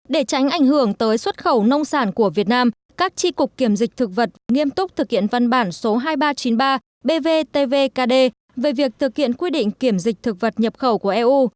để tránh ảnh hưởng tới xuất khẩu nông sản của việt nam các tri cục kiểm dịch thực vật nghiêm túc thực hiện văn bản số hai nghìn ba trăm chín mươi ba bvtvkd về việc thực hiện quy định kiểm dịch thực vật nhập khẩu của eu